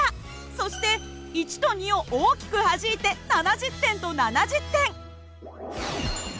そして１と２を大きくはじいて７０点と７０点。